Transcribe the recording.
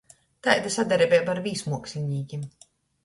Taida sadarbeiba ar vīsmuokslinīkim.